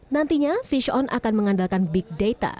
nantinya fission akan mengandalkan big data